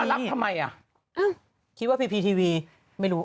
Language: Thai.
ไปให้ดูแล้วเหรอ